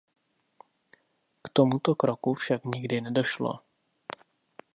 K tomuto kroku však nikdy nedošlo.